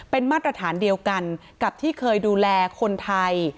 เป็นมาตรฐานเดียวกันกับที่เคยดูแลคนไทย